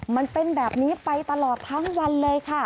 มันเป็นแบบนี้ไปตลอดทั้งวันเลยค่ะ